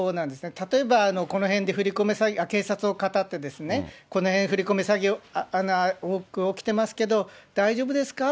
例えば、この辺で、警察をかたって、このへん、振り込め詐欺多く起きてますけど、大丈夫ですか？